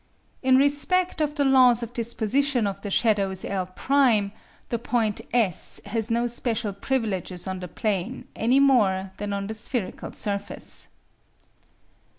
In respect of the laws of disposition of the shadows L', the point S has no special privileges on the plane any more than on the spherical surface.